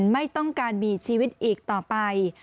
ไม่ต้องการมีชีวิตอีกต่อไป